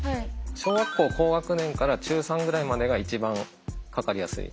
小学校高学年から中３ぐらいまでが一番かかりやすい。